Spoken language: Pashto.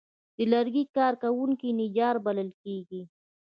د لرګي کار کوونکي نجار بلل کېږي.